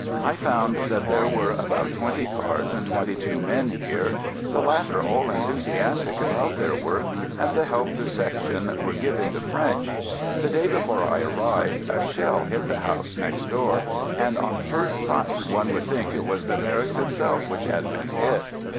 I found that there were about twenty cars and twenty two men here, the latter all enthusiastic about their work and the help the Section were giving the French. The day before I arrived a shell hit the house next door, and on first sight one would think it was the barracks itself which had been hit.